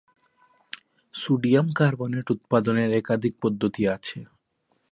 Sodium carbonate উৎপাদনের একাধিক পদ্ধতি আছে।